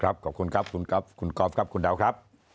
ครับขอบคุณครับคุณกรอฟครับคุณดาวครับ